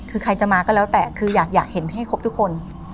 คือใครจะมาก็แล้วแต่คืออยากเห็นให้ครบทุกคน